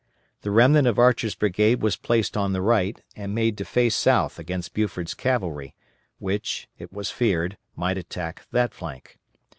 The remnant of Archer's brigade was placed on the right, and made to face south against Buford's cavalry, which, it was feared, might attack that flank.